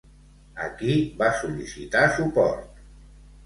A qui va sol·licitar suport?